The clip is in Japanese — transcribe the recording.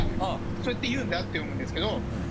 そうやって言うんだって思うんですけど。